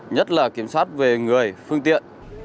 nhất là kiểm soát về người phương tiện